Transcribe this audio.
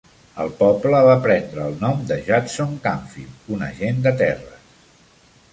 El poble va prendre el nom de Judson Canfield, un agent de terres.